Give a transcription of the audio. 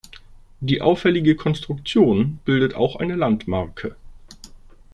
Die auffällige Konstruktion bildet auch eine Landmarke.